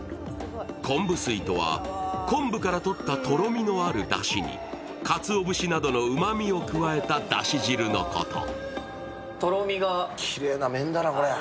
昆布水とは昆布からとったとろみのあるだしに、かつお節などのうまみを加えただし汁のこと。